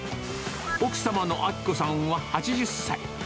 奥様の章子さんは８０歳。